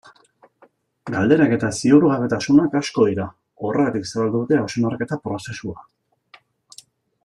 Galderak eta ziurgabetasunak asko dira, horregatik zabaldu dute hausnarketa prozesua.